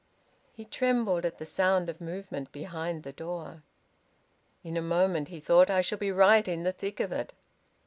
He trembled at the sound of movement behind the door. "In a moment," he thought, "I shall be right in the thick of it!"